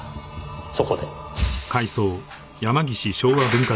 そこで。